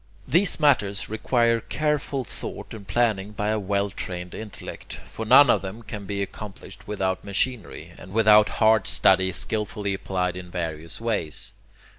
These matters require careful thought and planning by a well trained intellect; for none of them can be accomplished without machinery, and without hard study skilfully applied in various ways.